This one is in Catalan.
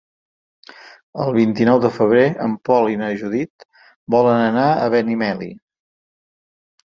El vint-i-nou de febrer en Pol i na Judit volen anar a Benimeli.